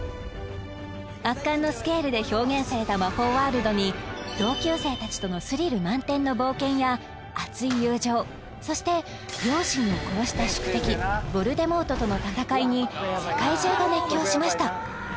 圧巻のスケールで表現された魔法ワールドに同級生たちとのスリル満点の冒険や熱い友情そして両親を殺した宿敵ヴォルデモートとの戦いに世界中が熱狂しました